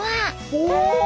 お。